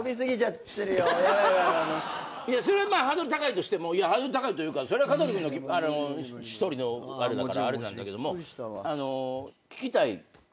それはハードル高いとしてもハードル高いというか香取君の一人のあれだからあれなんだけども。